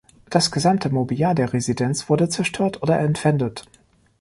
Das gesamte Mobiliar der Residenz wurde zerstört oder entwendet.